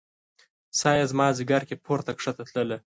ساه يې زما ځیګر کې پورته کښته تلله